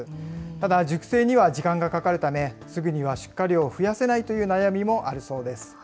ただ、熟成には時間がかかるため、すぐには出荷量を増やせないという悩みもあるそうです。